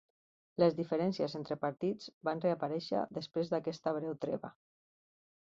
Les diferències entre partits van reaparèixer després d'aquesta breu treva.